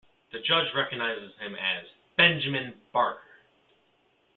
The Judge recognizes him as "Benjamin Barker!